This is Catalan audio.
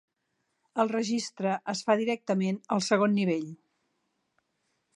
El registre es fa directament al segon nivell.